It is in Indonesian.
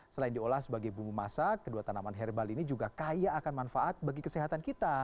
selain diolah sebagai bumbu masak kedua tanaman herbal ini juga kaya akan manfaat bagi kesehatan kita